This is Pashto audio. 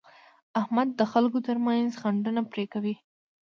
احمد د خلکو ترمنځ خنډونه پرې کوي.